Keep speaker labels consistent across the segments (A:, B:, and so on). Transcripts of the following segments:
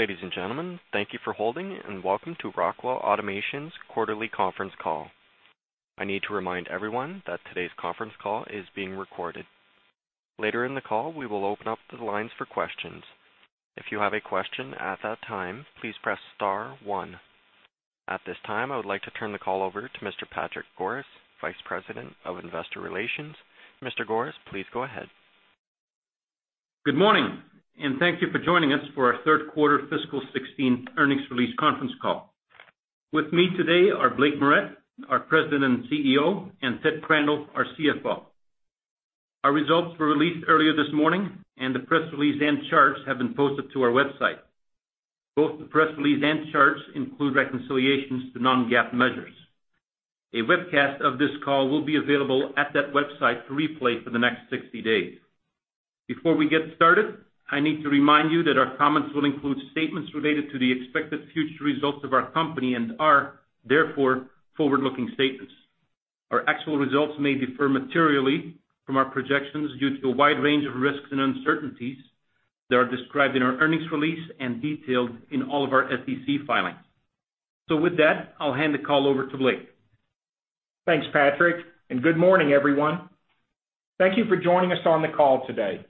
A: Ladies and gentlemen, thank you for holding. Welcome to Rockwell Automation's quarterly conference call. I need to remind everyone that today's conference call is being recorded. Later in the call, we will open up the lines for questions. If you have a question at that time, please press star one. At this time, I would like to turn the call over to Mr. Patrick Goris, Vice President of Investor Relations. Mr. Goris, please go ahead.
B: Good morning. Thank you for joining us for our third quarter fiscal 2016 earnings release conference call. With me today are Blake Moret, our President and CEO, and Theodore Crandall, our CFO. Our results were released earlier this morning. The press release and charts have been posted to our website. Both the press release and charts include reconciliations to non-GAAP measures. A webcast of this call will be available at that website to replay for the next 60 days. Before we get started, I need to remind you that our comments will include statements related to the expected future results of our company and are therefore forward-looking statements. Our actual results may differ materially from our projections due to a wide range of risks and uncertainties that are described in our earnings release and detailed in all of our SEC filings. With that, I'll hand the call over to Blake.
C: Thanks, Patrick. Good morning, everyone. Thank you for joining us on the call today.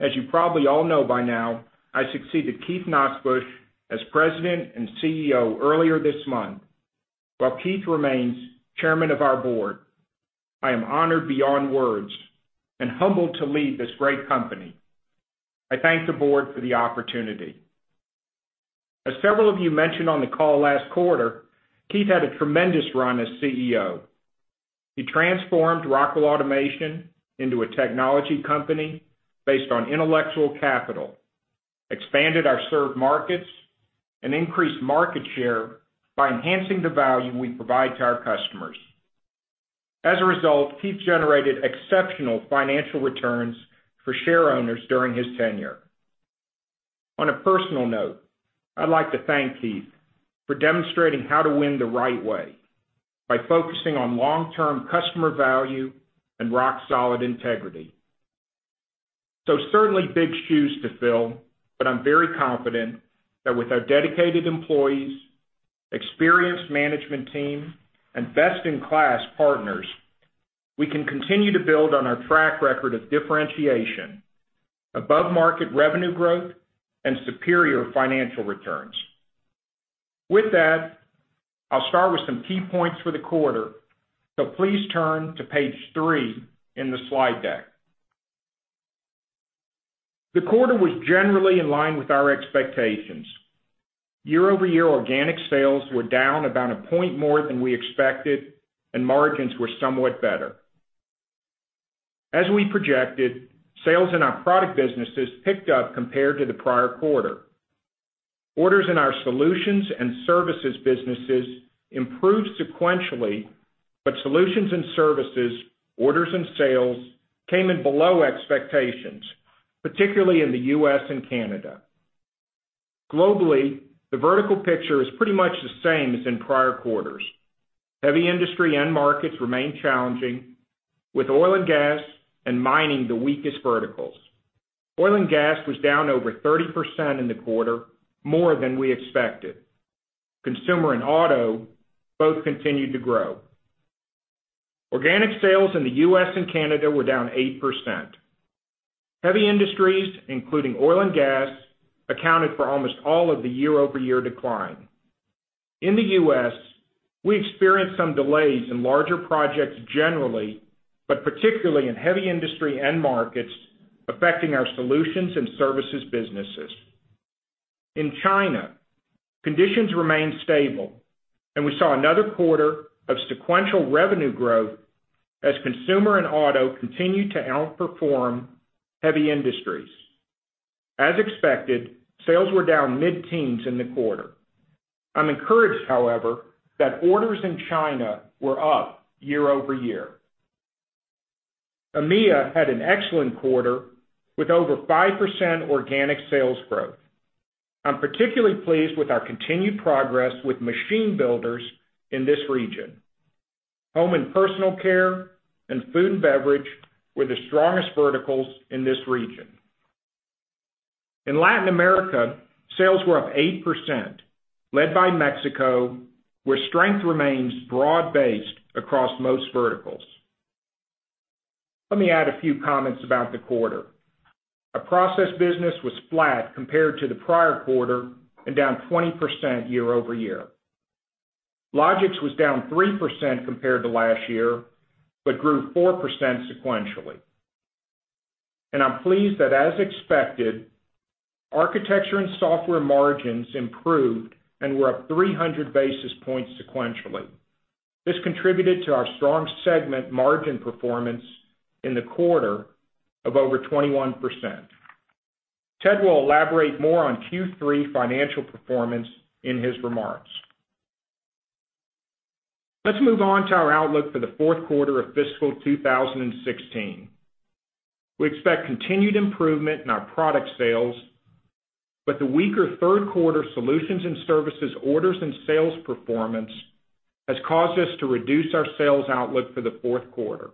C: As you probably all know by now, I succeeded Keith Nosbusch as President and CEO earlier this month, while Keith remains Chairman of our board. I am honored beyond words and humbled to lead this great company. I thank the board for the opportunity. As several of you mentioned on the call last quarter, Keith had a tremendous run as CEO. He transformed Rockwell Automation into a technology company based on intellectual capital, expanded our served markets, and increased market share by enhancing the value we provide to our customers. As a result, Keith generated exceptional financial returns for shareowners during his tenure. On a personal note, I'd like to thank Keith for demonstrating how to win the right way by focusing on long-term customer value and rock-solid integrity. Certainly big shoes to fill, but I'm very confident that with our dedicated employees, experienced management team, and best-in-class partners, we can continue to build on our track record of differentiation, above-market revenue growth, and superior financial returns. With that, I'll start with some key points for the quarter, so please turn to page three in the slide deck. The quarter was generally in line with our expectations. Year-over-year organic sales were down about a point more than we expected, and margins were somewhat better. As we projected, sales in our product businesses picked up compared to the prior quarter. Orders in our solutions and services businesses improved sequentially, but solutions and services orders and sales came in below expectations, particularly in the U.S. and Canada. Globally, the vertical picture is pretty much the same as in prior quarters. Heavy industry end markets remain challenging, with oil and gas and mining the weakest verticals. Oil and gas was down over 30% in the quarter, more than we expected. Consumer and auto both continued to grow. Organic sales in the U.S. and Canada were down 8%. Heavy industries, including oil and gas, accounted for almost all of the year-over-year decline. In the U.S., we experienced some delays in larger projects generally, but particularly in heavy industry end markets affecting our solutions and services businesses. In China, conditions remained stable, and we saw another quarter of sequential revenue growth as consumer and auto continued to outperform heavy industries. As expected, sales were down mid-teens in the quarter. I'm encouraged, however, that orders in China were up year-over-year. EMEA had an excellent quarter with over 5% organic sales growth. I'm particularly pleased with our continued progress with machine builders in this region. Home and personal care and food and beverage were the strongest verticals in this region. In Latin America, sales were up 8%, led by Mexico, where strength remains broad-based across most verticals. Let me add a few comments about the quarter. Our process business was flat compared to the prior quarter and down 20% year-over-year. Logix was down 3% compared to last year, but grew 4% sequentially. I'm pleased that, as expected, Architecture & Software margins improved and were up 300 basis points sequentially. This contributed to our strong segment margin performance in the quarter of over 21%. Ted will elaborate more on Q3 financial performance in his remarks. Let's move on to our outlook for the fourth quarter of fiscal 2016. We expect continued improvement in our product sales, but the weaker third quarter solutions and services orders and sales performance has caused us to reduce our sales outlook for the fourth quarter.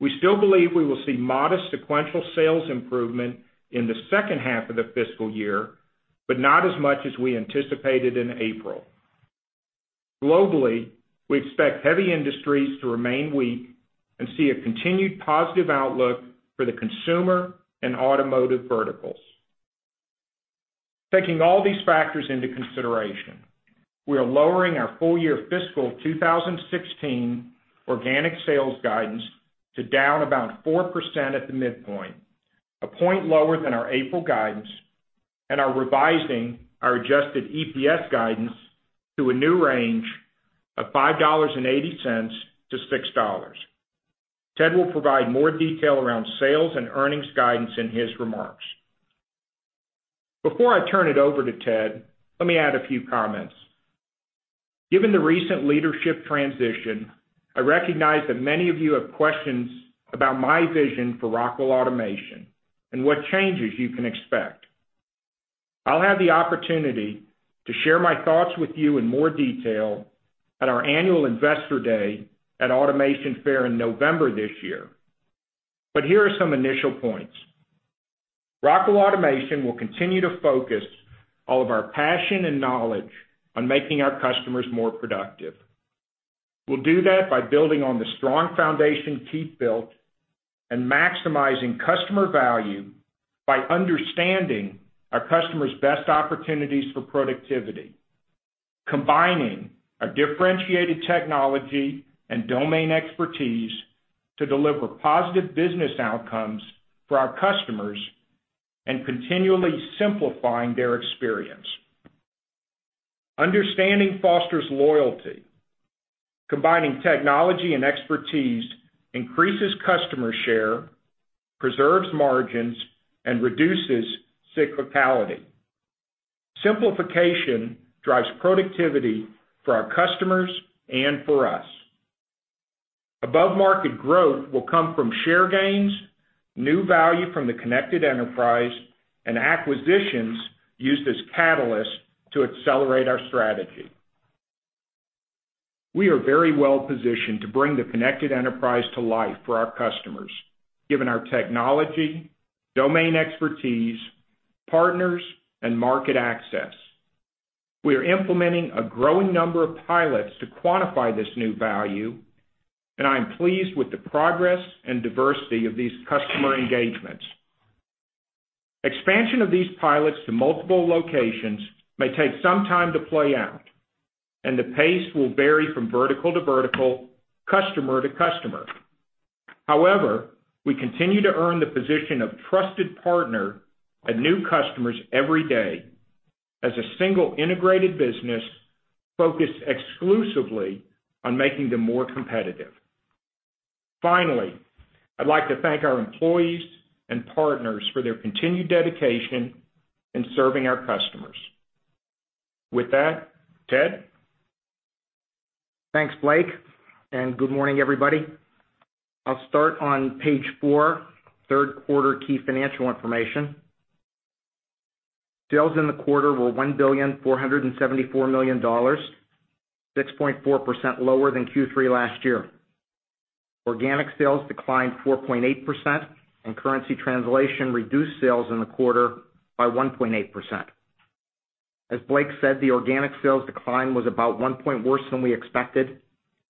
C: We still believe we will see modest sequential sales improvement in the second half of the fiscal year, but not as much as we anticipated in April. Globally, we expect heavy industries to remain weak and see a continued positive outlook for the consumer and automotive verticals. Taking all these factors into consideration, we are lowering our full year fiscal 2016 organic sales guidance to down about 4% at the midpoint, a point lower than our April guidance, and are revising our adjusted EPS guidance to a new range of $5.80-$6. Ted will provide more detail around sales and earnings guidance in his remarks. Before I turn it over to Ted, let me add a few comments. Given the recent leadership transition, I recognize that many of you have questions about my vision for Rockwell Automation and what changes you can expect. I'll have the opportunity to share my thoughts with you in more detail at our annual Investor Day at Automation Fair in November this year. Here are some initial points. Rockwell Automation will continue to focus all of our passion and knowledge on making our customers more productive. We'll do that by building on the strong foundation Keith built and maximizing customer value by understanding our customers' best opportunities for productivity, combining our differentiated technology and domain expertise to deliver positive business outcomes for our customers, and continually simplifying their experience. Understanding fosters loyalty. Combining technology and expertise increases customer share, preserves margins, and reduces cyclicality. Simplification drives productivity for our customers and for us. Above-market growth will come from share gains, new value from The Connected Enterprise, and acquisitions used as catalysts to accelerate our strategy. We are very well positioned to bring The Connected Enterprise to life for our customers, given our technology, domain expertise, partners, and market access. We are implementing a growing number of pilots to quantify this new value, and I am pleased with the progress and diversity of these customer engagements. Expansion of these pilots to multiple locations may take some time to play out, and the pace will vary from vertical to vertical, customer to customer. However, we continue to earn the position of trusted partner at new customers every day as a single integrated business focused exclusively on making them more competitive. Finally, I'd like to thank our employees and partners for their continued dedication in serving our customers. With that, Ted?
D: Thanks, Blake, and good morning, everybody. I'll start on page four, third quarter key financial information. Sales in the quarter were $1,474,000,000, 6.4% lower than Q3 last year. Organic sales declined 4.8%, and currency translation reduced sales in the quarter by 1.8%. As Blake said, the organic sales decline was about one point worse than we expected,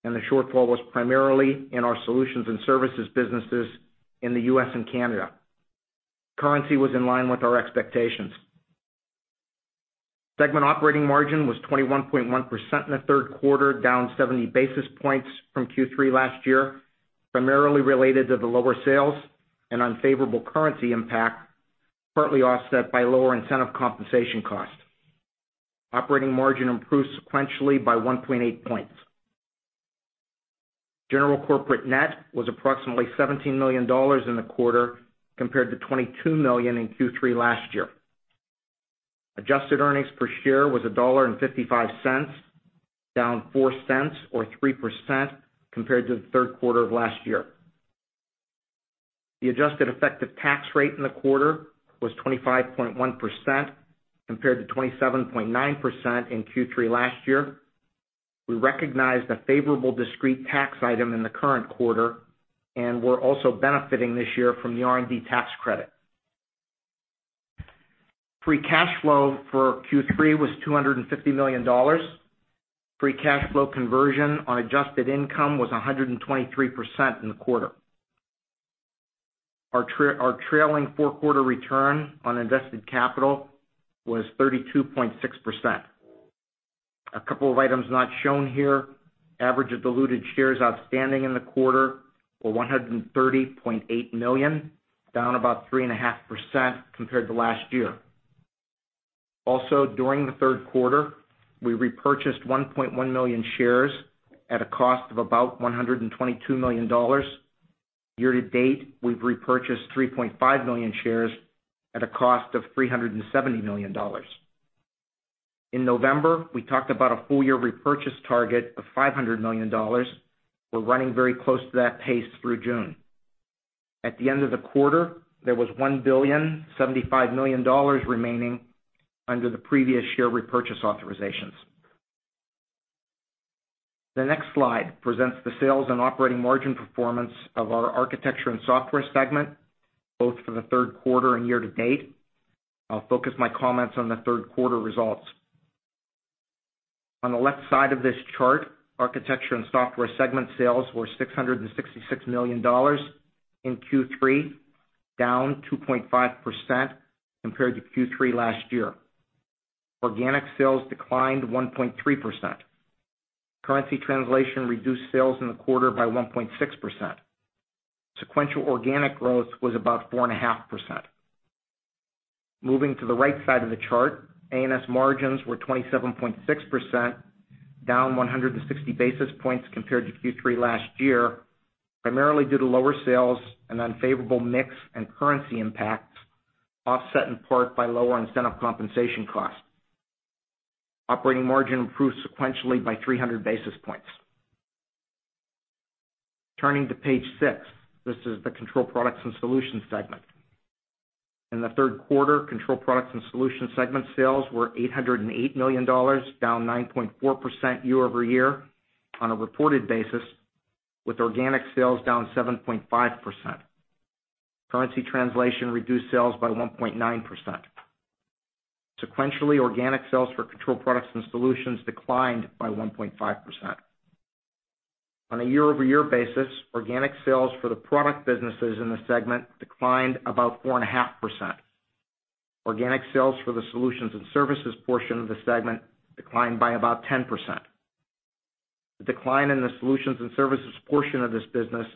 D: and the shortfall was primarily in our solutions and services businesses in the U.S. and Canada. Currency was in line with our expectations. Segment operating margin was 21.1% in the third quarter, down 70 basis points from Q3 last year, primarily related to the lower sales and unfavorable currency impact, partly offset by lower incentive compensation costs. Operating margin improved sequentially by 1.8 points. General corporate net was approximately $17 million in the quarter compared to $22 million in Q3 last year. Adjusted earnings per share was $1.55, down $0.04 or 3% compared to the third quarter of last year. The adjusted effective tax rate in the quarter was 25.1% compared to 27.9% in Q3 last year. We recognized a favorable discrete tax item in the current quarter and we're also benefiting this year from the R&D tax credit. Free cash flow for Q3 was $250 million. Free cash flow conversion on adjusted income was 123% in the quarter. Our trailing four-quarter return on invested capital was 32.6%. A couple of items not shown here, average of diluted shares outstanding in the quarter were 130.8 million, down about 3.5% compared to last year. Also, during the third quarter, we repurchased 1.1 million shares at a cost of about $122 million. Year to date, we've repurchased 3.5 million shares at a cost of $370 million. In November, we talked about a full year repurchase target of $500 million. We're running very close to that pace through June. At the end of the quarter, there was $1,075,000,000 remaining under the previous share repurchase authorizations. The next slide presents the sales and operating margin performance of our Architecture & Software segment, both for the third quarter and year-to-date. I'll focus my comments on the third quarter results. On the left side of this chart, Architecture & Software segment sales were $666 million in Q3, down 2.5% compared to Q3 last year. Organic sales declined 1.3%. Currency translation reduced sales in the quarter by 1.6%. Sequential organic growth was about 4.5%. Moving to the right side of the chart, A&S margins were 27.6%, down 160 basis points compared to Q3 last year, primarily due to lower sales and unfavorable mix and currency impacts, offset in part by lower incentive compensation costs. Operating margin improved sequentially by 300 basis points. Turning to page six. This is the Control Products & Solutions segment. In the third quarter, Control Products & Solutions segment sales were $808 million, down 9.4% year-over-year on a reported basis, with organic sales down 7.5%. Currency translation reduced sales by 1.9%. Sequentially, organic sales for Control Products & Solutions declined by 1.5%. On a year-over-year basis, organic sales for the product businesses in the segment declined about 4.5%. Organic sales for the solutions and services portion of the segment declined by about 10%. The decline in the solutions and services portion of this business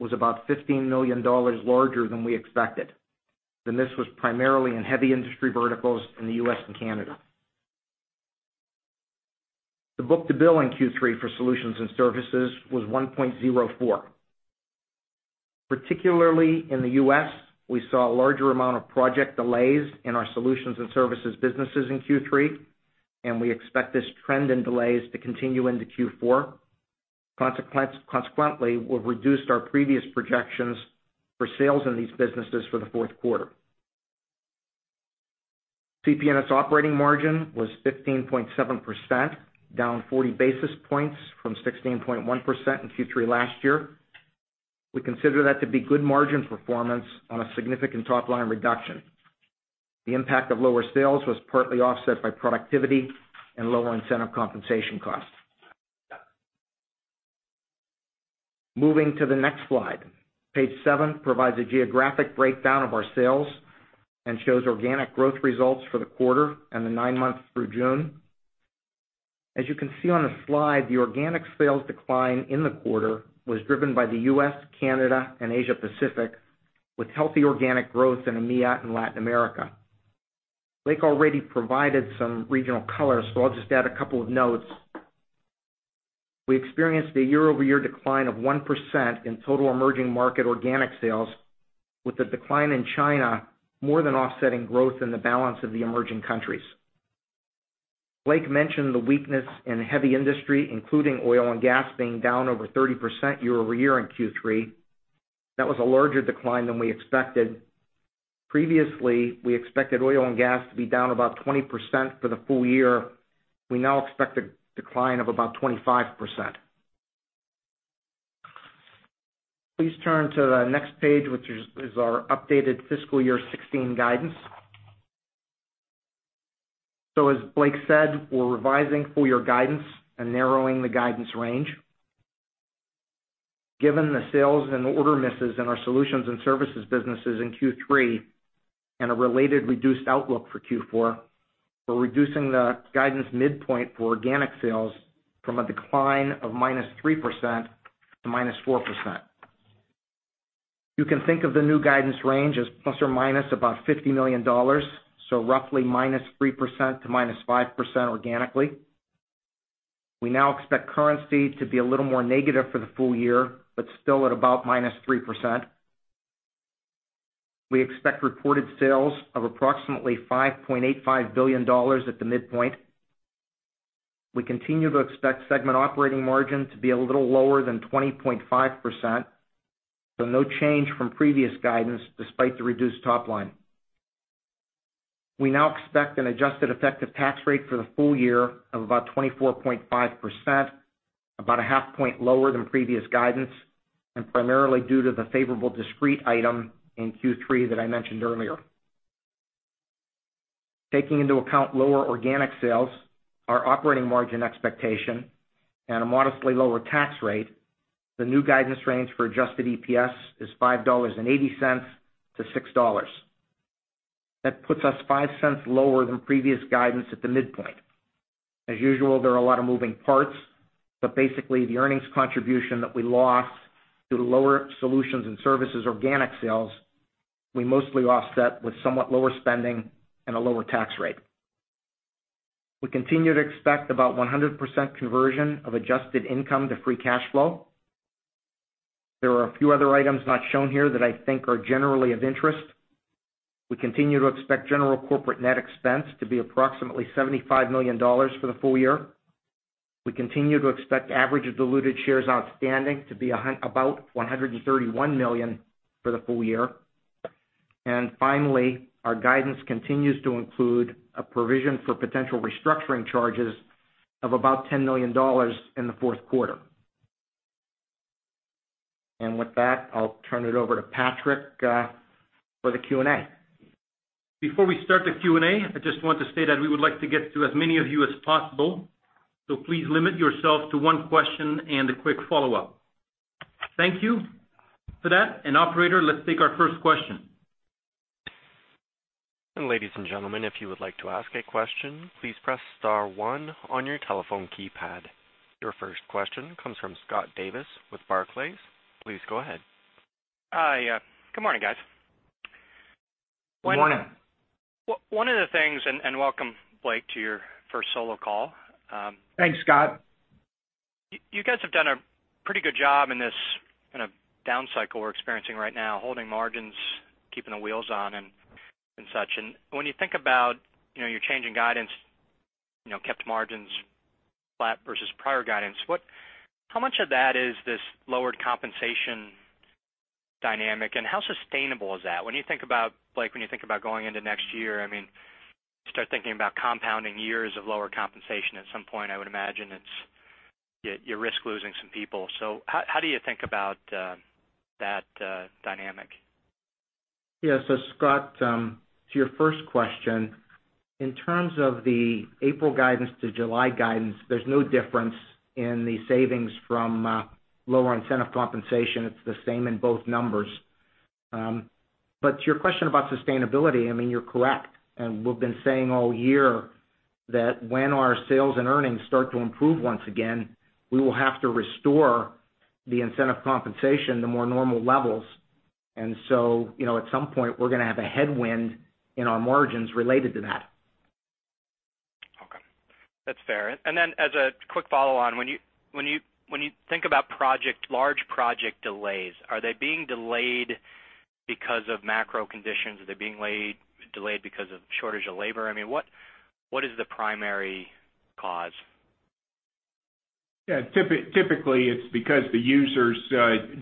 D: was about $15 million larger than we expected, and this was primarily in heavy industry verticals in the U.S. and Canada. The book-to-bill in Q3 for solutions and services was 1.04. Particularly in the U.S., we saw a larger amount of project delays in our solutions and services businesses in Q3, and we expect this trend in delays to continue into Q4. Consequently, we've reduced our previous projections for sales in these businesses for the fourth quarter. CP&S operating margin was 15.7%, down 40 basis points from 16.1% in Q3 last year. We consider that to be good margin performance on a significant top-line reduction. The impact of lower sales was partly offset by productivity and lower incentive compensation costs. Moving to the next slide. Page seven provides a geographic breakdown of our sales and shows organic growth results for the quarter and the nine months through June. As you can see on the slide, the organic sales decline in the quarter was driven by the U.S., Canada, and Asia Pacific, with healthy organic growth in EMEA and Latin America. Blake already provided some regional color, so I'll just add a couple of notes. We experienced a year-over-year decline of 1% in total emerging market organic sales with the decline in China more than offsetting growth in the balance of the emerging countries. Blake mentioned the weakness in heavy industry, including oil and gas being down over 30% year-over-year in Q3. That was a larger decline than we expected. Previously, we expected oil and gas to be down about 20% for the full year. We now expect a decline of about 25%. Please turn to the next page, which is our updated fiscal year 2016 guidance. As Blake said, we're revising full-year guidance and narrowing the guidance range. Given the sales and order misses in our solutions and services businesses in Q3 and a related reduced outlook for Q4, we're reducing the guidance midpoint for organic sales from a decline of -3% to -4%. You can think of the new guidance range as plus or minus about $50 million, so roughly -3% to -5% organically. We now expect currency to be a little more negative for the full year, but still at about -3%. We expect reported sales of approximately $5.85 billion at the midpoint. We continue to expect segment operating margin to be a little lower than 20.5%, so no change from previous guidance despite the reduced top line. We now expect an adjusted effective tax rate for the full year of about 24.5%, about a half point lower than previous guidance, and primarily due to the favorable discrete item in Q3 that I mentioned earlier. Taking into account lower organic sales, our operating margin expectation, and a modestly lower tax rate, the new guidance range for adjusted EPS is $5.80-$6. That puts us $0.05 lower than previous guidance at the midpoint. As usual, there are a lot of moving parts, but basically the earnings contribution that we lost through lower solutions and services organic sales, we mostly offset with somewhat lower spending and a lower tax rate. We continue to expect about 100% conversion of adjusted income to free cash flow. There are a few other items not shown here that I think are generally of interest. We continue to expect general corporate net expense to be approximately $75 million for the full year. We continue to expect average diluted shares outstanding to be about 131 million for the full year.
C: Finally, our guidance continues to include a provision for potential restructuring charges of about $10 million in the fourth quarter. With that, I'll turn it over to Patrick for the Q&A.
B: Before we start the Q&A, I just want to state that we would like to get to as many of you as possible, so please limit yourself to one question and a quick follow-up. Thank you for that. Operator, let's take our first question.
A: Ladies and gentlemen, if you would like to ask a question, please press star one on your telephone keypad. Your first question comes from Scott Davis with Barclays. Please go ahead.
E: Hi. Good morning, guys.
C: Good morning.
E: Welcome, Blake, to your first solo call.
C: Thanks, Scott.
E: You guys have done a pretty good job in this down cycle we're experiencing right now, holding margins, keeping the wheels on and such. When you think about your changing guidance, kept margins flat versus prior guidance, how much of that is this lowered compensation dynamic, and how sustainable is that? When you think about, Blake, going into next year, you start thinking about compounding years of lower compensation. At some point, I would imagine you risk losing some people. How do you think about that dynamic?
C: Yeah. Scott, to your first question, in terms of the April guidance to July guidance, there's no difference in the savings from lower incentive compensation. It's the same in both numbers. To your question about sustainability, you're correct, and we've been saying all year that when our sales and earnings start to improve once again, we will have to restore the incentive compensation to more normal levels. At some point, we're going to have a headwind in our margins related to that.
E: Okay. That's fair. As a quick follow-on, when you think about large project delays, are they being delayed because of macro conditions? Are they being delayed because of shortage of labor? What is the primary cause?
C: Yeah. Typically, it's because the users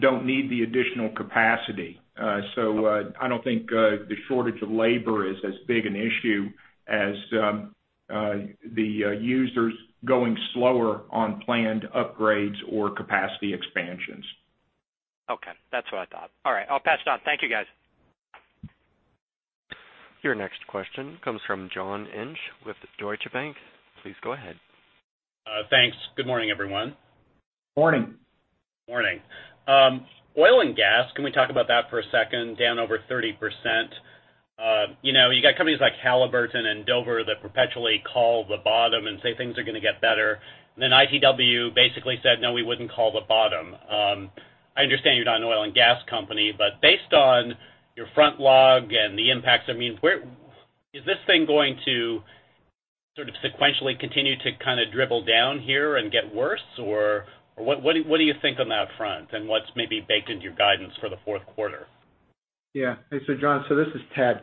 C: don't need the additional capacity. I don't think the shortage of labor is as big an issue as the users going slower on planned upgrades or capacity expansions.
E: Okay. That's what I thought. All right, I'll pass it on. Thank you, guys.
A: Your next question comes from John Inch with Deutsche Bank. Please go ahead.
F: Thanks. Good morning, everyone.
C: Morning.
F: Morning. Oil and gas, can we talk about that for a second? Down over 30%. You got companies like Halliburton and Dover that perpetually call the bottom and say things are going to get better. ITW basically said "No, we wouldn't call the bottom." I understand you're not an oil and gas company, but based on your front log and the impacts, is this thing going to sort of sequentially continue to kind of dribble down here and get worse? Or what do you think on that front, and what's maybe baked into your guidance for the fourth quarter?
D: John, this is Ted.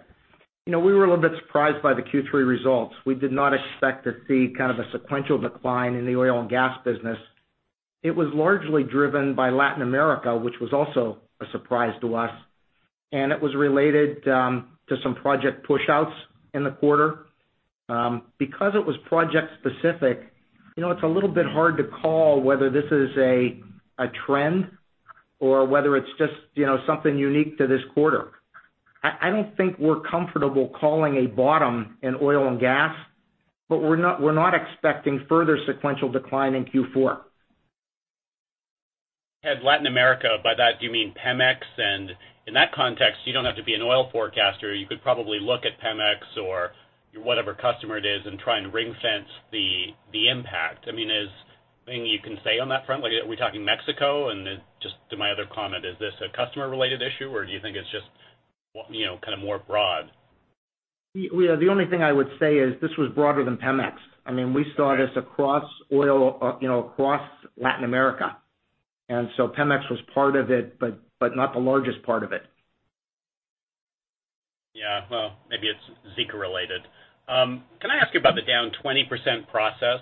D: We were a little bit surprised by the Q3 results. We did not expect to see kind of a sequential decline in the oil and gas business. It was largely driven by Latin America, which was also a surprise to us, and it was related to some project pushouts in the quarter. Because it was project specific, it's a little bit hard to call whether this is a trend or whether it's just something unique to this quarter. I don't think we're comfortable calling a bottom in oil and gas, but we're not expecting further sequential decline in Q4.
F: Ted, Latin America, by that, do you mean Pemex? In that context, you don't have to be an oil forecaster. You could probably look at Pemex or whatever customer it is and try and ring-fence the impact. Is there anything you can say on that front? Are we talking Mexico? Then just to my other comment, is this a customer-related issue, or do you think it's just kind of more broad?
D: Yeah. The only thing I would say is this was broader than Pemex. We saw this across Latin America. Pemex was part of it, but not the largest part of it.
F: Yeah. Well, maybe it's Zika related. Can I ask you about the down 20% process?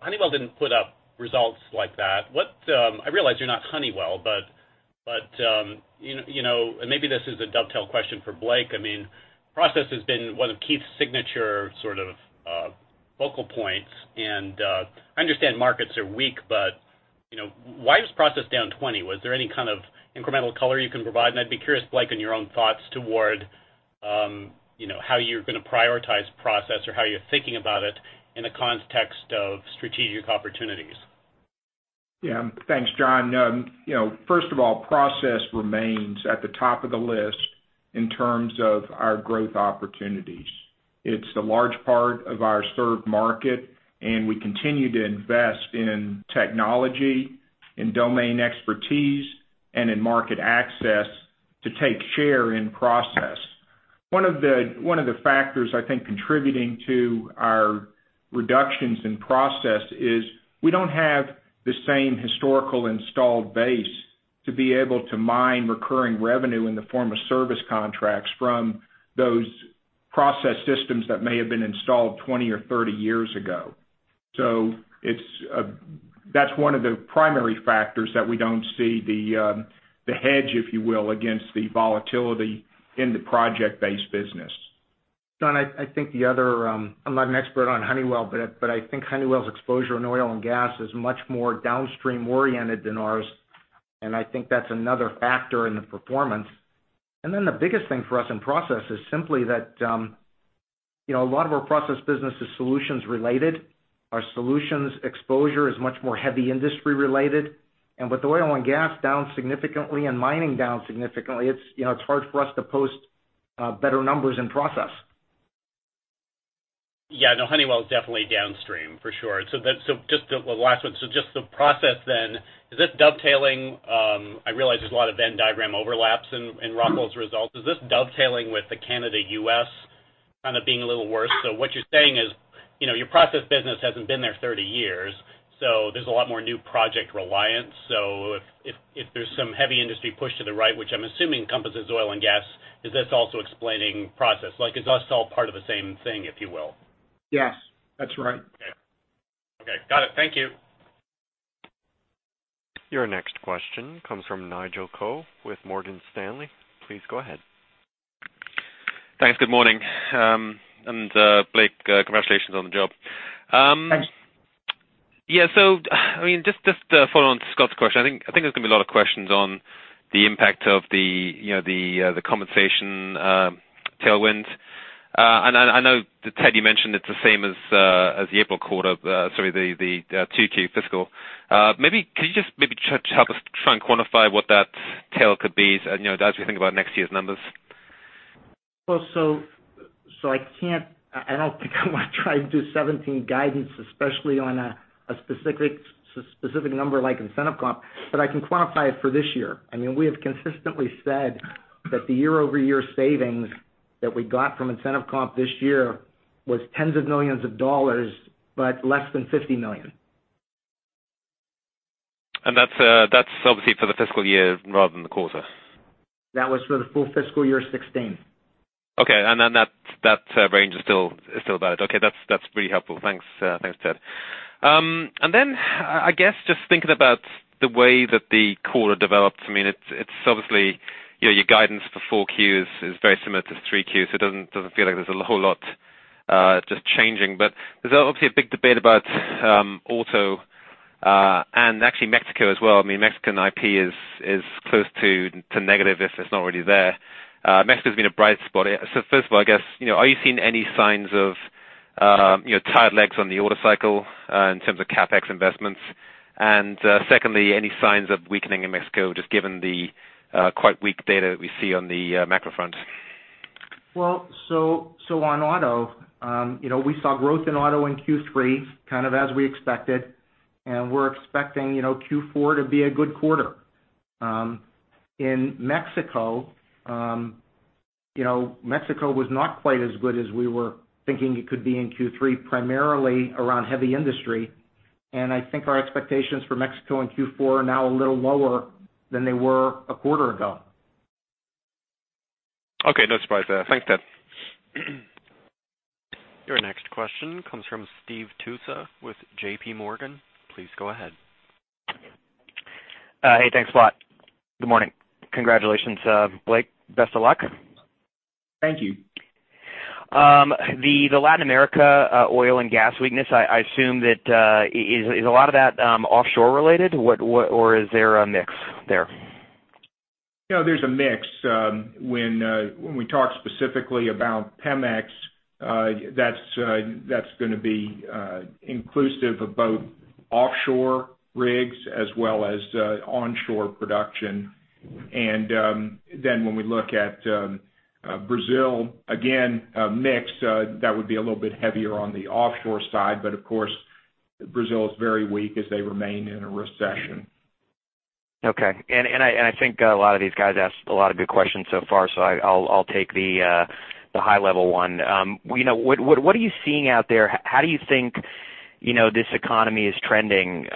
F: Honeywell didn't put up results like that. I realize you're not Honeywell, but maybe this is a dovetail question for Blake. Process has been one of Keith's signature sort of focal points. I understand markets are weak, but why was process down 20%? Was there any kind of incremental color you can provide? I'd be curious, Blake, on your own thoughts toward how you're going to prioritize process or how you're thinking about it in the context of strategic opportunities.
C: Yeah. Thanks, John. First of all, process remains at the top of the list in terms of our growth opportunities. It's a large part of our served market. We continue to invest in technology, in domain expertise, and in market access to take share in process. One of the factors I think contributing to our reductions in process is we don't have the same historical installed base to be able to mine recurring revenue in the form of service contracts from those process systems that may have been installed 20 or 30 years ago. That's one of the primary factors that we don't see the hedge, if you will, against the volatility in the project-based business.
D: John, I'm not an expert on Honeywell, but I think Honeywell's exposure in oil and gas is much more downstream oriented than ours, and I think that's another factor in the performance. The biggest thing for us in process is simply that a lot of our process business is solutions related. Our solutions exposure is much more heavy industry related, and with oil and gas down significantly and mining down significantly, it's hard for us to post better numbers in process.
F: Yeah, no, Honeywell is definitely downstream for sure. Just the last one, the process, is this dovetailing? I realize there's a lot of Venn diagram overlaps in Rockwell's results. Is this dovetailing with the Canada, U.S. kind of being a little worse? What you're saying is your process business hasn't been there 30 years, there's a lot more new project reliance. If there's some heavy industry push to the right, which I'm assuming encompasses oil and gas, is this also explaining process? Like, is this all part of the same thing, if you will?
D: Yes, that's right.
F: Okay. Got it. Thank you.
A: Your next question comes from Nigel Coe with Morgan Stanley. Please go ahead.
G: Thanks. Good morning. Blake, congratulations on the job.
C: Thanks.
G: Yeah, just to follow on Scott's question, I think there's going to be a lot of questions on the impact of the compensation tailwind. I know that Ted, you mentioned it's the same as the April quarter, sorry, the 2Q fiscal. Maybe could you just try to help us try and quantify what that tail could be as we think about next year's numbers?
D: Well, I don't think I want to try and do 2017 guidance, especially on a specific number like incentive comp, but I can quantify it for this year. We have consistently said that the year-over-year savings that we got from incentive comp this year was $ tens of millions, but less than $50 million.
G: That's obviously for the fiscal year rather than the quarter.
D: That was for the full fiscal year 2016.
G: Okay, that range is still about it. Okay, that's really helpful. Thanks, Ted. I guess just thinking about the way that the quarter developed, it's obviously your guidance for 4Q is very similar to 3Q, it doesn't feel like there's a whole lot just changing. There's obviously a big debate about Auto and actually Mexico as well. Mexican IP is close to negative, if it's not already there. Mexico's been a bright spot. First of all, are you seeing any signs of tired legs on the order cycle in terms of CapEx investments? Secondly, any signs of weakening in Mexico, just given the quite weak data that we see on the macro front?
D: On Auto, we saw growth in Auto in Q3, kind of as we expected, we're expecting Q4 to be a good quarter. In Mexico was not quite as good as we were thinking it could be in Q3, primarily around heavy industry, I think our expectations for Mexico in Q4 are now a little lower than they were a quarter ago.
G: Okay. No surprise there. Thanks, Ted.
A: Your next question comes from Steve Tusa with JPMorgan. Please go ahead.
H: Hey, thanks a lot. Good morning. Congratulations, Blake. Best of luck.
C: Thank you.
H: The Latin America oil and gas weakness, I assume that, is a lot of that offshore related? Or is there a mix there?
C: There's a mix. When we talk specifically about Pemex, that's going to be inclusive of both offshore rigs as well as onshore production. When we look at Brazil, again, a mix, that would be a little bit heavier on the offshore side. Of course, Brazil is very weak as they remain in a recession.
H: Okay. I think a lot of these guys asked a lot of good questions so far, so I'll take the high level one. What are you seeing out there? How do you think this economy is trending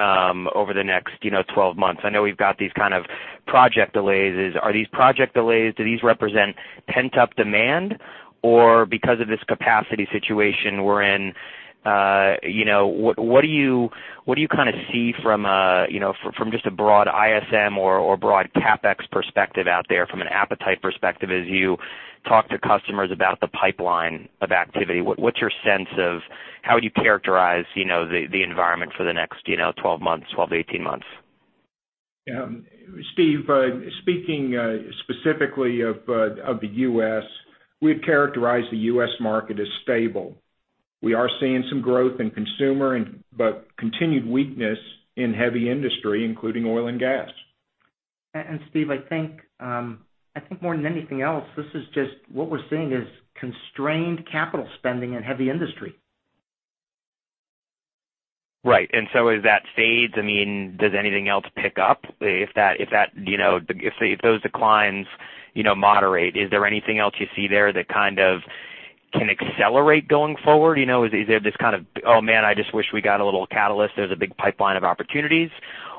H: over the next 12 months? I know we've got these kind of project delays. Are these project delays, do these represent pent-up demand? Because of this capacity situation we're in, what do you kind of see from just a broad ISM or broad CapEx perspective out there from an appetite perspective as you talk to customers about the pipeline of activity? What's your sense of how would you characterize the environment for the next 12 months, 12 to 18 months?
C: Steve, speaking specifically of the U.S., we'd characterize the U.S. market as stable. We are seeing some growth in consumer, but continued weakness in heavy industry, including oil and gas.
D: Steve, I think more than anything else, this is just what we're seeing is constrained capital spending in heavy industry.
H: Right. As that fades, does anything else pick up? If those declines moderate, is there anything else you see there that kind of can accelerate going forward? Is there this kind of, "Oh man, I just wish we got a little catalyst. There's a big pipeline of opportunities,"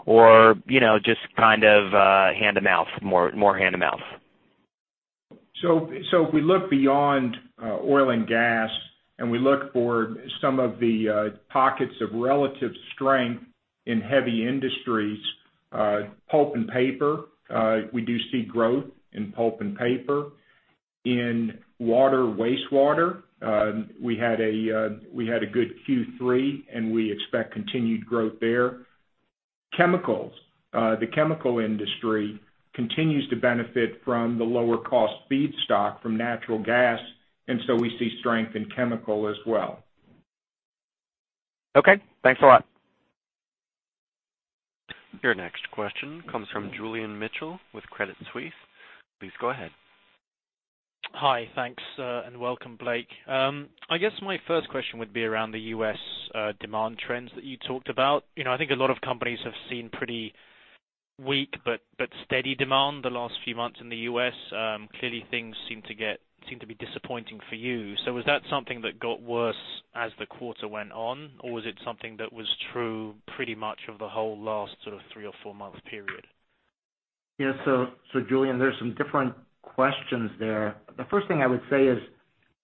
H: or just kind of hand-to-mouth, more hand-to-mouth?
C: If we look beyond oil and gas, and we look for some of the pockets of relative strength in heavy industries, pulp and paper, we do see growth in pulp and paper. In water, wastewater, we had a good Q3, and we expect continued growth there. Chemicals. The chemical industry continues to benefit from the lower cost feedstock from natural gas, and so we see strength in chemical as well.
H: Okay. Thanks a lot.
A: Your next question comes from Julian Mitchell with Credit Suisse. Please go ahead.
I: Hi. Thanks, and welcome, Blake. I guess my first question would be around the U.S. demand trends that you talked about. I think a lot of companies have seen pretty weak but steady demand the last few months in the U.S. Clearly, things seem to be disappointing for you. Was that something that got worse as the quarter went on? Or was it something that was true pretty much of the whole last sort of three or four-month period?
D: Julian, there's some different questions there. The first thing I would say is,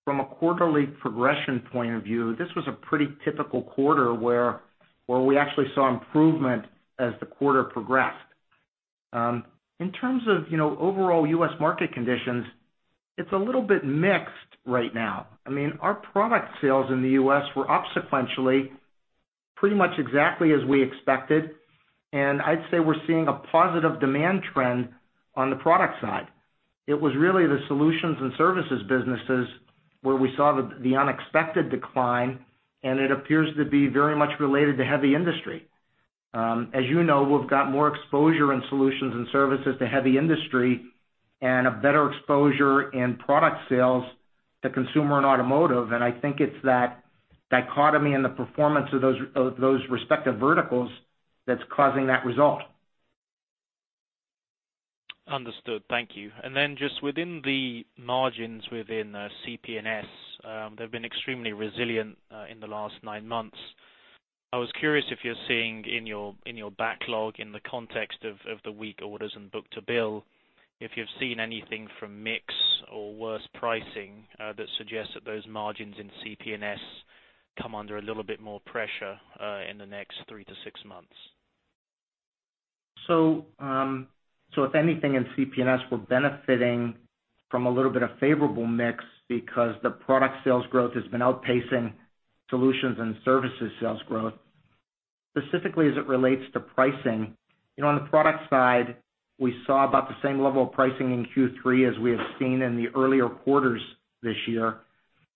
D: from a quarterly progression point of view, this was a pretty typical quarter where we actually saw improvement as the quarter progressed. In terms of overall U.S. market conditions, it's a little bit mixed right now. Our product sales in the U.S. were up sequentially pretty much exactly as we expected, and I'd say we're seeing a positive demand trend on the product side. It was really the solutions and services businesses where we saw the unexpected decline, and it appears to be very much related to heavy industry. As you know, we've got more exposure in solutions and services to heavy industry and a better exposure in product sales to consumer and automotive, and I think it's that dichotomy in the performance of those respective verticals that's causing that result.
I: Understood. Thank you. Then just within the margins within CP&S, they've been extremely resilient in the last nine months. I was curious if you're seeing in your backlog, in the context of the weak orders and book-to-bill, if you've seen anything from mix or worse pricing that suggests that those margins in CP&S come under a little bit more pressure in the next three to six months.
D: If anything, in CP&S, we're benefiting from a little bit of favorable mix because the product sales growth has been outpacing solutions and services sales growth. Specifically, as it relates to pricing, on the product side, we saw about the same level of pricing in Q3 as we have seen in the earlier quarters this year.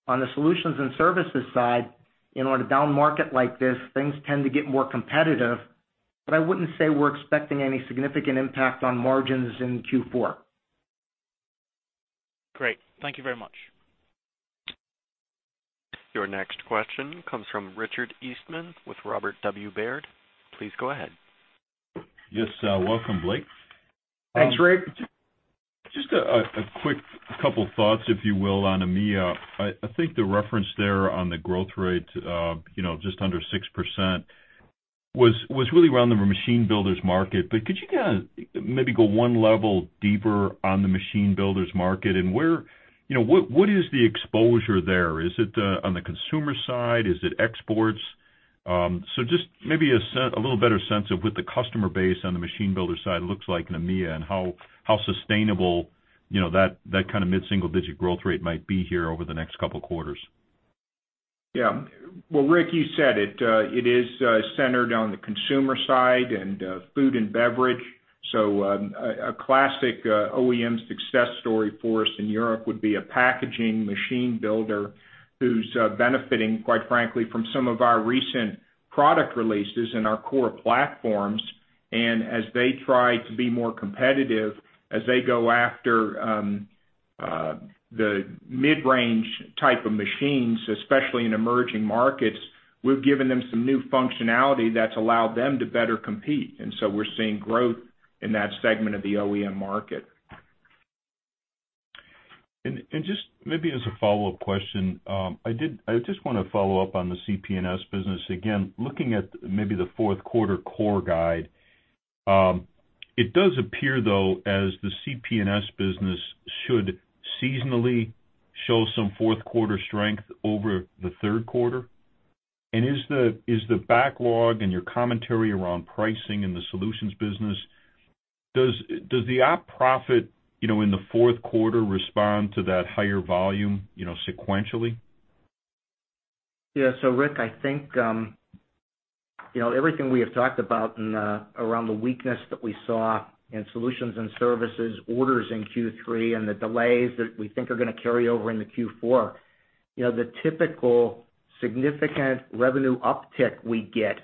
D: On the solutions and services side, in a down market like this, things tend to get more competitive, but I wouldn't say we're expecting any significant impact on margins in Q4.
I: Great. Thank you very much.
A: Your next question comes from Richard Eastman with Robert W. Baird. Please go ahead.
J: Yes. Welcome, Blake.
C: Thanks, Rick.
J: Just a quick couple thoughts, if you will, on EMEA. I think the reference there on the growth rate, just under 6%, was really around the machine builders market. Could you kind of maybe go 1 level deeper on the machine builders market, and what is the exposure there? Is it on the consumer side? Is it exports? Just maybe a little better sense of what the customer base on the machine builder side looks like in EMEA, and how sustainable that kind of mid-single-digit growth rate might be here over the next couple quarters.
C: Yeah. Well, Rick, you said it. It is centered on the consumer side and food and beverage. A classic OEM success story for us in Europe would be a packaging machine builder who's benefiting, quite frankly, from some of our recent product releases in our core platforms. As they try to be more competitive, as they go after the mid-range type of machines, especially in emerging markets, we've given them some new functionality that's allowed them to better compete. We're seeing growth in that segment of the OEM market.
J: Just maybe as a follow-up question, I just want to follow up on the CP&S business again. Looking at maybe the fourth quarter core guide, it does appear, though, as the CP&S business should seasonally show some fourth quarter strength over the third quarter. Is the backlog and your commentary around pricing in the solutions business, does the op profit in the fourth quarter respond to that higher volume sequentially?
D: Yeah. Rick, I think everything we have talked about around the weakness that we saw in solutions and services orders in Q3 and the delays that we think are going to carry over into Q4. The typical significant revenue uptick we get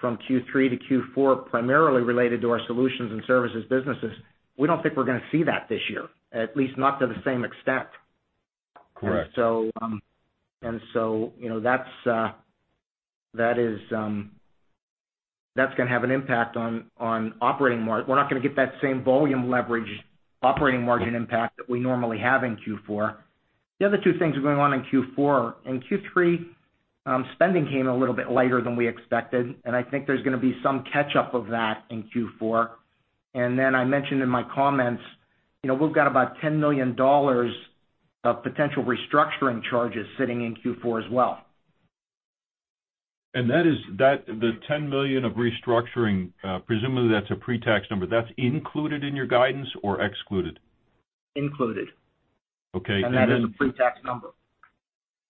D: from Q3 to Q4, primarily related to our solutions and services businesses, we don't think we're going to see that this year, at least not to the same extent.
J: Correct.
D: That's going to have an impact on operating margin. We're not going to get that same volume leverage operating margin impact that we normally have in Q4.
C: The other two things are going on in Q4. In Q3, spending came a little bit lighter than we expected, and I think there's going to be some catch-up of that in Q4. I mentioned in my comments, we've got about $10 million of potential restructuring charges sitting in Q4 as well.
J: The $10 million of restructuring, presumably that's a pre-tax number. That's included in your guidance or excluded?
C: Included.
J: Okay.
C: That is a pre-tax number.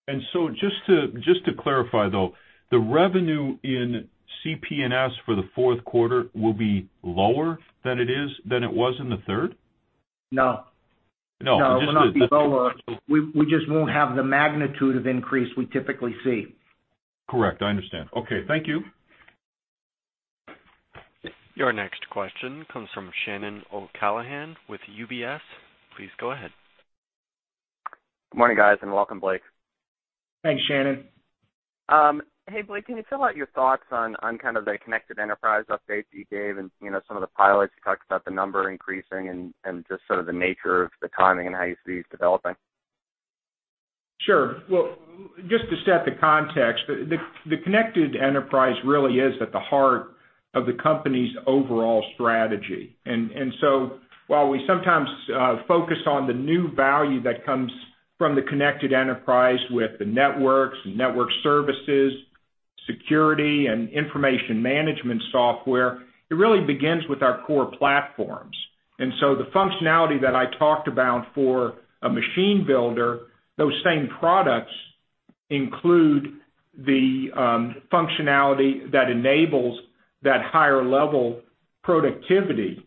J: Just to clarify, though, the revenue in CP&S for the fourth quarter will be lower than it was in the third?
C: No.
J: No.
C: It will not be lower. We just won't have the magnitude of increase we typically see.
J: Correct. I understand. Okay. Thank you.
A: Your next question comes from Anthony O'Callaghan with UBS. Please go ahead.
K: Good morning, guys, and welcome, Blake.
C: Thanks, [Shannon].
K: Hey, Blake, can you fill out your thoughts on kind of The Connected Enterprise updates that you gave and some of the pilots? You talked about the number increasing and just sort of the nature of the timing and how you see these developing.
C: Sure. Well, just to set the context, the Connected Enterprise really is at the heart of the company's overall strategy. While we sometimes focus on the new value that comes from the Connected Enterprise with the networks and network services, security, and information management software, it really begins with our core platforms. The functionality that I talked about for a machine builder, those same products include the functionality that enables that higher level productivity.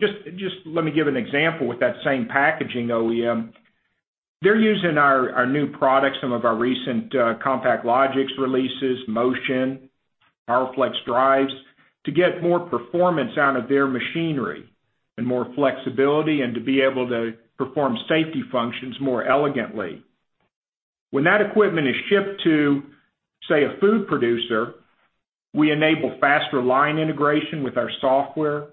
C: Just let me give an example with that same packaging OEM. They're using our new products, some of our recent CompactLogix releases, Motion, PowerFlex drives, to get more performance out of their machinery and more flexibility and to be able to perform safety functions more elegantly. When that equipment is shipped to, say, a food producer, we enable faster line integration with our software.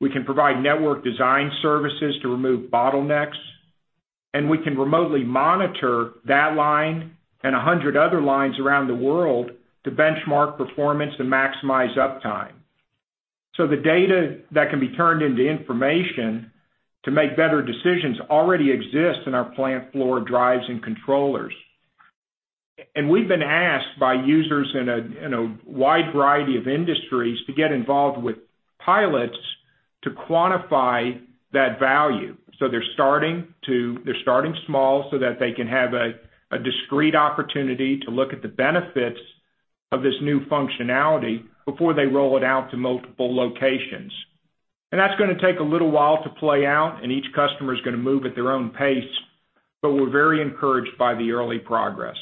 C: We can provide network design services to remove bottlenecks, and we can remotely monitor that line and 100 other lines around the world to benchmark performance and maximize uptime. The data that can be turned into information to make better decisions already exists in our plant floor drives and controllers. We've been asked by users in a wide variety of industries to get involved with pilots to quantify that value. They're starting small so that they can have a discreet opportunity to look at the benefits of this new functionality before they roll it out to multiple locations. That's going to take a little while to play out, and each customer is going to move at their own pace. We're very encouraged by the early progress.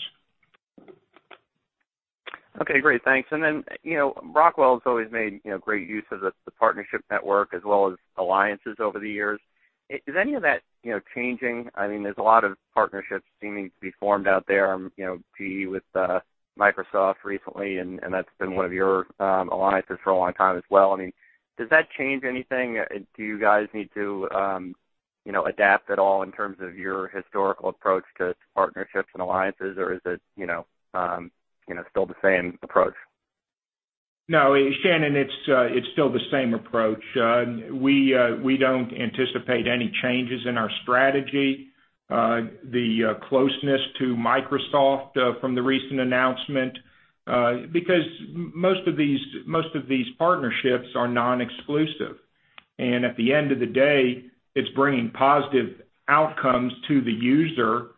K: Okay, great. Thanks. Rockwell has always made great use of the partnership network as well as alliances over the years. Is any of that changing? There's a lot of partnerships seeming to be formed out there, GE with Microsoft recently, and that's been one of your alliances for a long time as well. Does that change anything? Do you guys need to adapt at all in terms of your historical approach to partnerships and alliances, or is it still the same approach?
C: No, Anthony, it's still the same approach. We don't anticipate any changes in our strategy, the closeness to Microsoft from the recent announcement, because most of these partnerships are non-exclusive. At the end of the day, it's bringing positive outcomes to the user,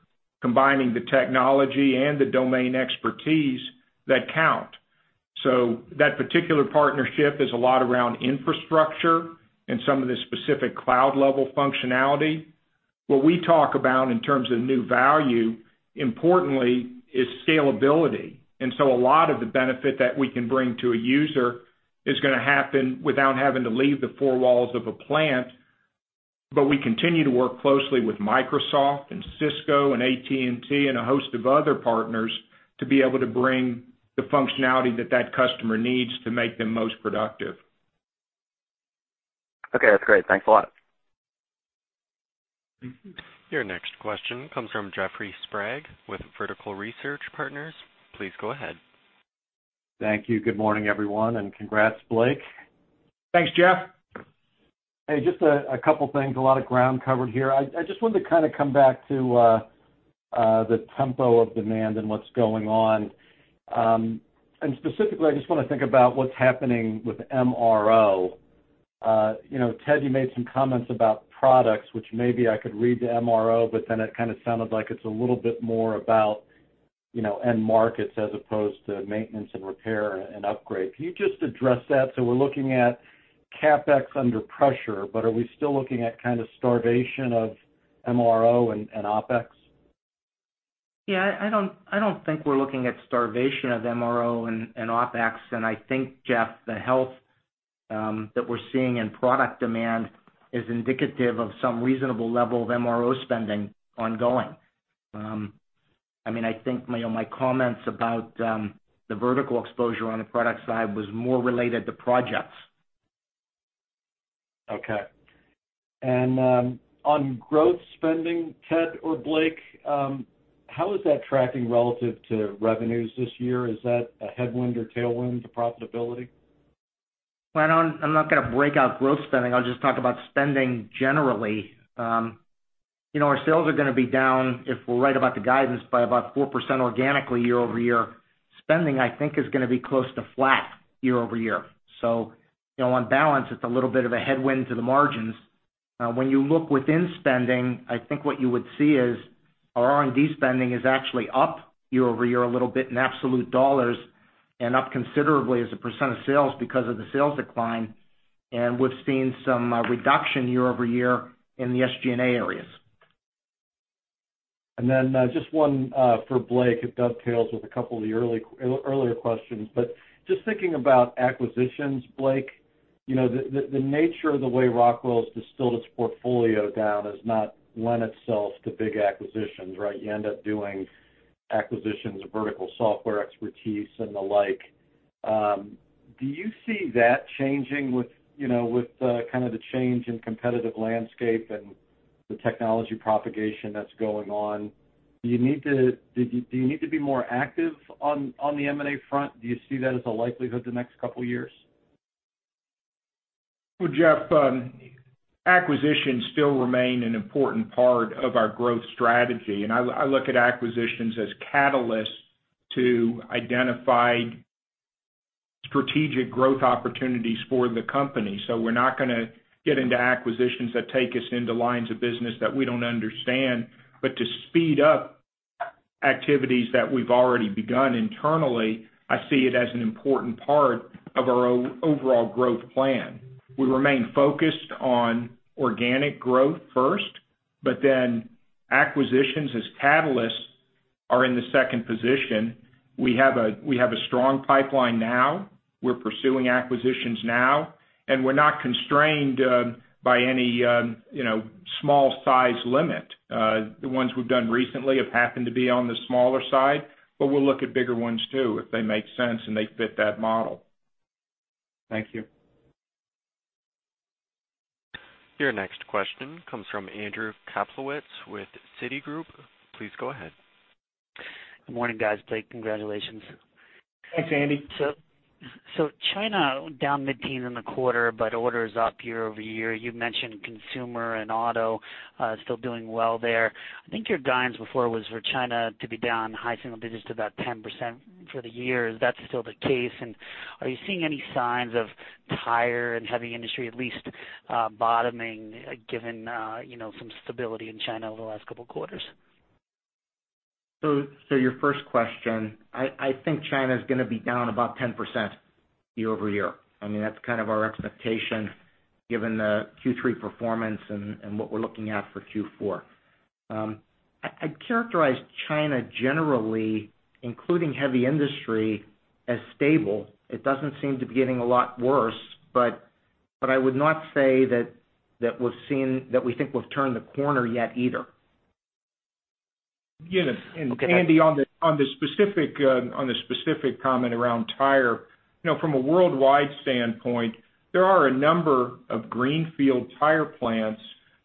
C: combining the technology and the domain expertise that count. That particular partnership is a lot around infrastructure and some of the specific cloud-level functionality. What we talk about in terms of new value, importantly, is scalability. A lot of the benefit that we can bring to a user is going to happen without having to leave the four walls of a plant. We continue to work closely with Microsoft and Cisco and AT&T and a host of other partners to be able to bring the functionality that that customer needs to make them most productive.
K: Okay, that's great. Thanks a lot.
A: Your next question comes from Jeffrey Sprague with Vertical Research Partners. Please go ahead.
L: Thank you. Good morning, everyone, and congrats, Blake.
C: Thanks, Jeff.
L: Hey, just a couple of things. A lot of ground covered here. I just wanted to kind of come back to the tempo of demand and what's going on. Specifically, I just want to think about what's happening with MRO. Ted, you made some comments about products which maybe I could read to MRO, it kind of sounded like it's a little bit more about end markets as opposed to maintenance and repair and upgrade. Can you just address that? We're looking at CapEx under pressure, are we still looking at kind of starvation of MRO and OpEx?
C: I don't think we're looking at starvation of MRO and OpEx. I think, Jeff, the health that we're seeing in product demand is indicative of some reasonable level of MRO spending ongoing. I think my comments about the vertical exposure on the product side was more related to projects.
L: On growth spending, Ted or Blake, how is that tracking relative to revenues this year? Is that a headwind or tailwind to profitability?
D: I'm not going to break out growth spending. I'll just talk about spending generally. Our sales are going to be down, if we're right about the guidance, by about 4% organically year-over-year. Spending, I think, is going to be close to flat year-over-year. On balance, it's a little bit of a headwind to the margins. When you look within spending, I think what you would see is our R&D spending is actually up year-over-year a little bit in absolute dollars and up considerably as a percent of sales because of the sales decline. We've seen some reduction year-over-year in the SG&A areas.
L: Just one for Blake. It dovetails with a couple of the earlier questions, but just thinking about acquisitions, Blake, the nature of the way Rockwell's distilled its portfolio down has not lent itself to big acquisitions, right? You end up doing acquisitions of vertical software expertise and the like. Do you see that changing with the change in competitive landscape and the technology propagation that's going on? Do you need to be more active on the M&A front? Do you see that as a likelihood the next couple of years?
C: Well, Jeff, acquisitions still remain an important part of our growth strategy. I look at acquisitions as catalysts to identify strategic growth opportunities for the company. We're not going to get into acquisitions that take us into lines of business that we don't understand. To speed up activities that we've already begun internally, I see it as an important part of our overall growth plan. We remain focused on organic growth first. Acquisitions as catalysts are in the second position. We have a strong pipeline now. We're pursuing acquisitions now. We're not constrained by any small size limit. The ones we've done recently have happened to be on the smaller side, but we'll look at bigger ones too if they make sense and they fit that model.
L: Thank you.
A: Your next question comes from Andrew Kaplowitz with Citigroup. Please go ahead.
M: Good morning, guys. Blake, congratulations.
C: Thanks, Andy.
M: China down mid-teen in the quarter, but orders up year-over-year. You mentioned consumer and auto still doing well there. I think your guidance before was for China to be down high single digits to about 10% for the year. Is that still the case? Are you seeing any signs of tire and heavy industry at least bottoming, given some stability in China over the last couple of quarters?
D: Your first question, I think China's going to be down about 10% year-over-year. That's kind of our expectation given the Q3 performance and what we're looking at for Q4. I'd characterize China generally, including heavy industry, as stable. It doesn't seem to be getting a lot worse, but I would not say that we think we've turned the corner yet either.
C: On the specific comment around tire, from a worldwide standpoint, there are a number of greenfield tire plants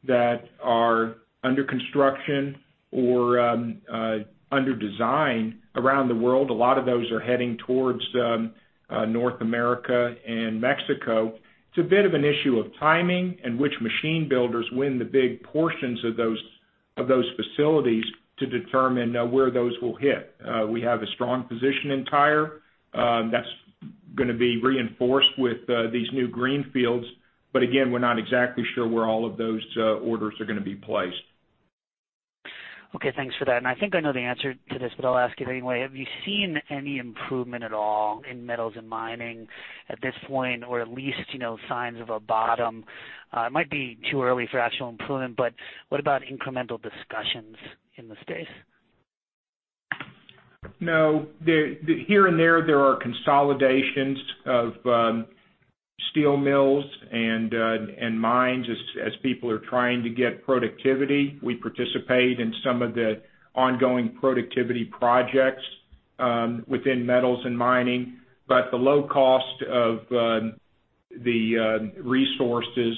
C: that are under construction or under design around the world. A lot of those are heading towards North America and Mexico. It's a bit of an issue of timing and which machine builders win the big portions of those facilities to determine where those will hit. We have a strong position in tire. That's going to be reinforced with these new greenfields. Again, we're not exactly sure where all of those orders are going to be placed.
M: Okay. Thanks for that. I think I know the answer to this, but I'll ask it anyway. Have you seen any improvement at all in metals and mining at this point? Or at least signs of a bottom? It might be too early for actual improvement, what about incremental discussions in the space?
C: No. Here and there are consolidations of steel mills and mines as people are trying to get productivity. We participate in some of the ongoing productivity projects within metals and mining. The low cost of the resources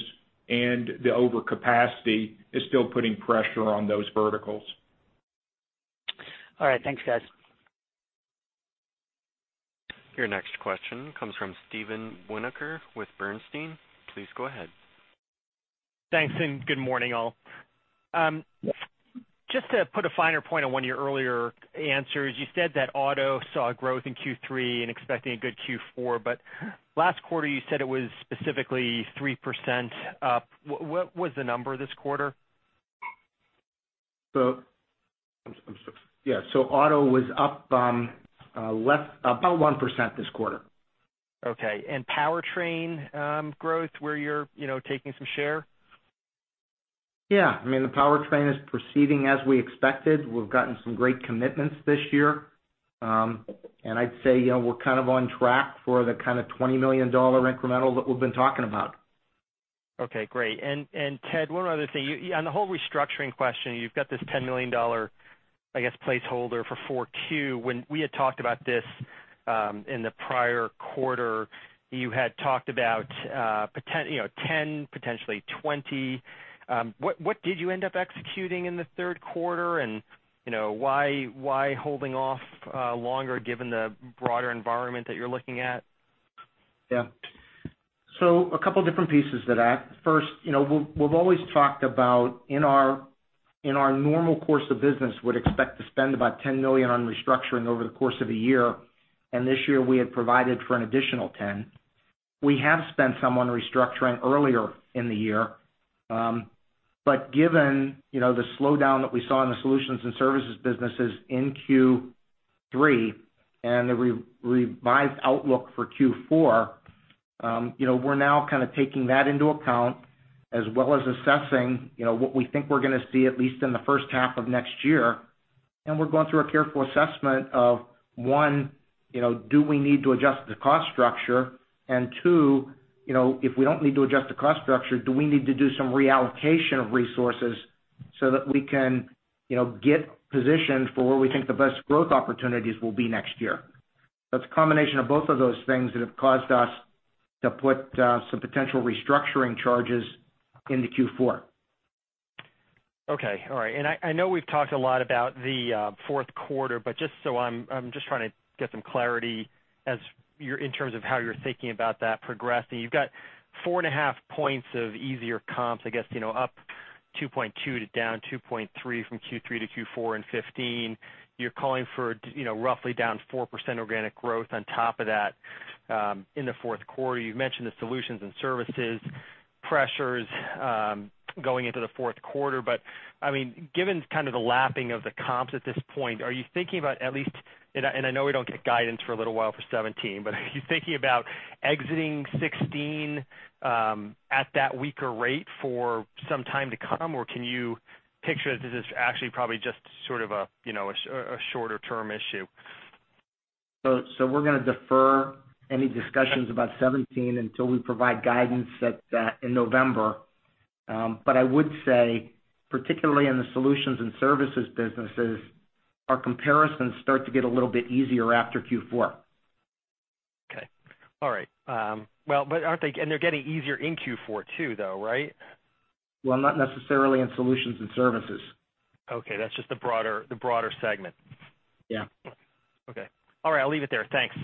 C: and the overcapacity is still putting pressure on those verticals.
M: All right. Thanks, guys.
A: Your next question comes from Steven Winoker with Bernstein. Please go ahead.
N: Thanks. Good morning, all. Just to put a finer point on one of your earlier answers, you said that auto saw growth in Q3 and expecting a good Q4, but last quarter you said it was specifically 3% up. What was the number this quarter?
D: Auto was up about 1% this quarter.
N: Okay. Powertrain growth where you're taking some share?
D: Yeah. The powertrain is proceeding as we expected. We've gotten some great commitments this year. I'd say we're kind of on track for the kind of $20 million incremental that we've been talking about.
N: Okay, great. Ted, one other thing. On the whole restructuring question, you've got this $10 million, I guess, placeholder for 4Q. When we had talked about this in the prior quarter, you had talked about $10 million, potentially $20 million. What did you end up executing in the third quarter? Why holding off longer given the broader environment that you're looking at?
C: Yeah. A couple different pieces to that. First, we've always talked about in our normal course of business, would expect to spend about $10 million on restructuring over the course of a year, and this year we had provided for an additional $10 million. We have spent some on restructuring earlier in the year. Given the slowdown that we saw in the solutions and services businesses in Q3 and the revised outlook for Q4, we're now kind of taking that into account, as well as assessing what we think we're going to see at least in the first half of next year, we're going through a careful assessment of, one, do we need to adjust the cost structure? Two, if we don't need to adjust the cost structure, do we need to do some reallocation of resources so that we can get positioned for where we think the best growth opportunities will be next year? It's a combination of both of those things that have caused us to put some potential restructuring charges into Q4.
N: Okay. All right. I know we've talked a lot about the fourth quarter, but I'm just trying to get some clarity in terms of how you're thinking about that progressing. You've got 4.5 points of easier comps, I guess up 2.2% to down 2.3% from Q3 to Q4 in 2015. You're calling for roughly down 4% organic growth on top of that in the fourth quarter. You've mentioned the Solutions and Services pressures going into the fourth quarter. Given kind of the lapping of the comps at this point, are you thinking about at least, and I know we don't get guidance for a little while for 2017, but are you thinking about exiting 2016 at that weaker rate for some time to come, or can you picture that this is actually probably just sort of a shorter-term issue?
C: We're going to defer any discussions about 2017 until we provide guidance in November. I would say, particularly in the Solutions and Services businesses, our comparisons start to get a little bit easier after Q4.
N: Okay. All right. They're getting easier in Q4 too, though, right?
C: Not necessarily in Solutions and Services.
N: Okay, that's just the broader segment.
C: Yeah.
N: Okay. All right, I'll leave it there. Thanks.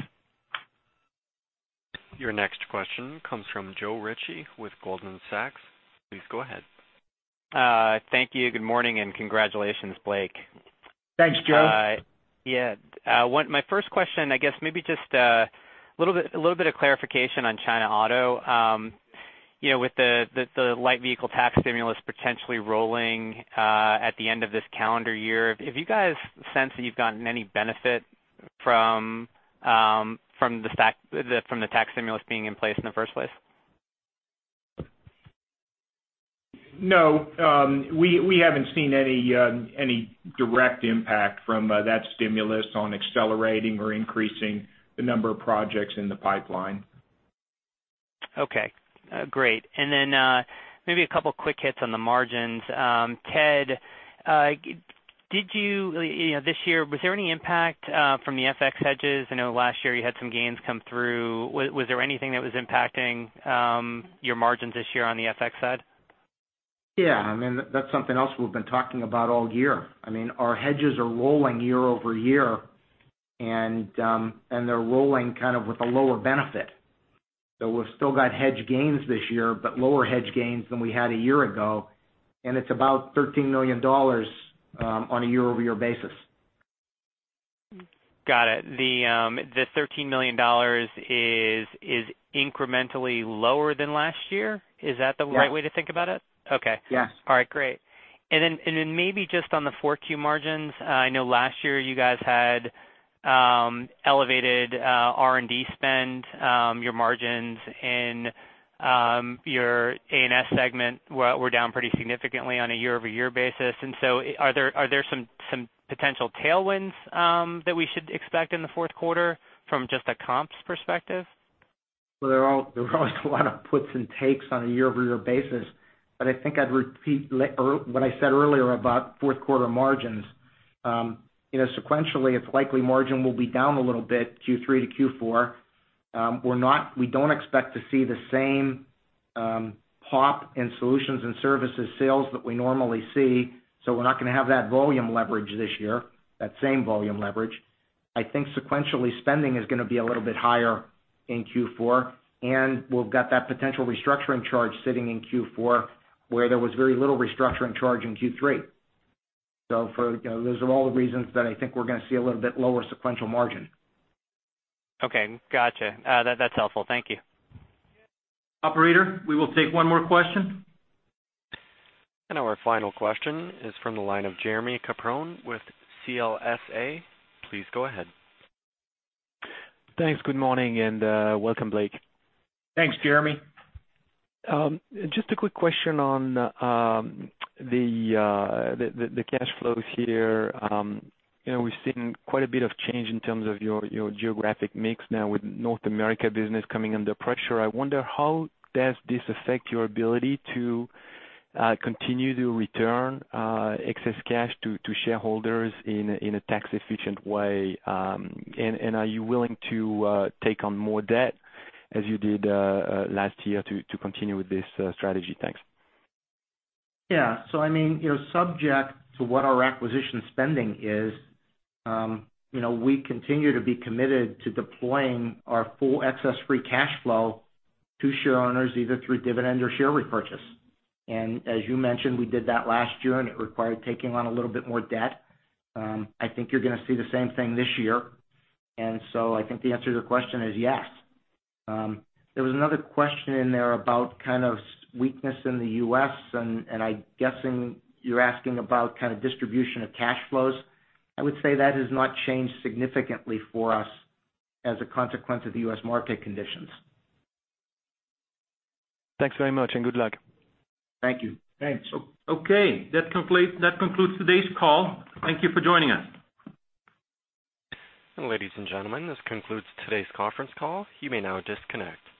A: Your next question comes from Joe Ritchie with Goldman Sachs. Please go ahead.
O: Thank you. Good morning, and congratulations, Blake.
C: Thanks, Joe.
O: Yeah. My first question, I guess maybe just a little bit of clarification on China Auto. With the light vehicle tax stimulus potentially rolling at the end of this calendar year, have you guys sensed that you've gotten any benefit from the tax stimulus being in place in the first place?
C: No. We haven't seen any direct impact from that stimulus on accelerating or increasing the number of projects in the pipeline.
O: Okay. Great. Maybe a couple quick hits on the margins. Ted, this year, was there any impact from the FX hedges? I know last year you had some gains come through. Was there anything that was impacting your margins this year on the FX side?
D: Yeah, I mean, that's something else we've been talking about all year. I mean, our hedges are rolling year-over-year, and they're rolling kind of with a lower benefit. We've still got hedge gains this year, but lower hedge gains than we had a year ago, and it's about $13 million on a year-over-year basis.
O: Got it. The $13 million is incrementally lower than last year? Is that the right way to think about it?
D: Yes.
O: Okay. All right, great. Then maybe just on the 4Q margins. I know last year you guys had elevated R&D spend. Your margins in your A&S segment were down pretty significantly on a year-over-year basis. So are there some potential tailwinds that we should expect in the fourth quarter from just a comps perspective?
D: Well, there are always a lot of puts and takes on a year-over-year basis, but I think I'd repeat what I said earlier about fourth quarter margins. Sequentially, it's likely margin will be down a little bit Q3 to Q4. We don't expect to see the same pop in solutions and services sales that we normally see, so we're not going to have that volume leverage this year, that same volume leverage. I think sequentially, spending is going to be a little bit higher in Q4, and we've got that potential restructuring charge sitting in Q4, where there was very little restructuring charge in Q3. Those are all the reasons that I think we're going to see a little bit lower sequential margin.
O: Okay, gotcha. That's helpful. Thank you.
C: Operator, we will take one more question.
A: Our final question is from the line of Jeremie Capron with CLSA. Please go ahead.
P: Thanks. Good morning, and welcome, Blake.
C: Thanks, Jeremie.
P: Just a quick question on the cash flows here. We've seen quite a bit of change in terms of your geographic mix now with North America business coming under pressure. I wonder how does this affect your ability to continue to return excess cash to shareholders in a tax-efficient way? Are you willing to take on more debt as you did last year to continue with this strategy? Thanks.
D: Yeah. I mean, subject to what our acquisition spending is, we continue to be committed to deploying our full excess free cash flow to shareowners, either through dividend or share repurchase. As you mentioned, we did that last year, and it required taking on a little bit more debt. I think you're going to see the same thing this year. I think the answer to the question is yes. There was another question in there about kind of weakness in the U.S., and I'm guessing you're asking about kind of distribution of cash flows. I would say that has not changed significantly for us as a consequence of the U.S. market conditions.
P: Thanks very much, good luck.
C: Thank you. Thanks.
A: Okay, that concludes today's call. Thank you for joining us. Ladies and gentlemen, this concludes today's conference call. You may now disconnect.